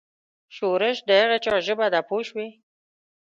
ښورښ د هغه چا ژبه ده پوه شوې!.